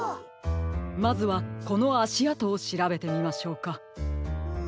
まずはこのあしあとをしらべてみましょうか。